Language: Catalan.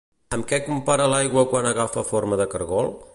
Amb què compara l'aigua quan agafa forma de cargol?